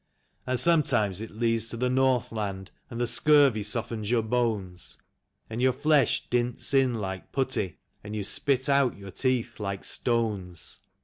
And sometimes it leads to the Northland, and the scurvy softens your bones. And your flesh dints in like putty, and you spit out your teeth like stones.